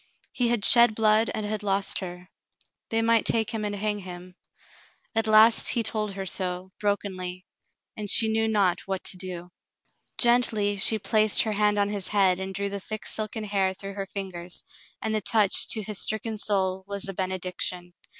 He had shed blood and had lost her. They might take him and hang him. At last he told her so, brokenly, and she knew not what to do. Gently she placed her hand on his head and drew the thick silken hair through her fingers, and the touch, to his stricken soul, was a benediction.